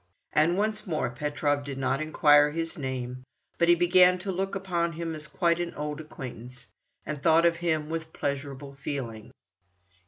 And once more Petrov did not inquire his name, but he began to look upon him as quite an old acquaintance, and thought of him with pleasurable feelings.